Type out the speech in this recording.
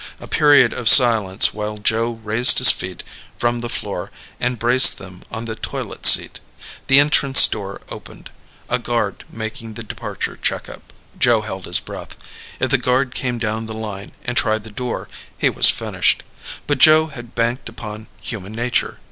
A period of silence while Joe raised his feet from the floor and braced them on the toilet seat. The entrance door opened. A guard making the departure checkup. Joe held his breath. If the guard came down the line and tried the door, he was finished. But Joe had banked upon human nature.